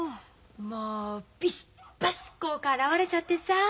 もうビシバシ効果現れちゃってさ。